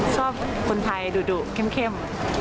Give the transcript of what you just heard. ชอบคนไทยดุเข้ม